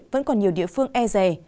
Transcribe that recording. vẫn còn nhiều địa phương e rè